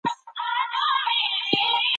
که موږ پوه شو، نو د خلکو سره درواغ نه کوو.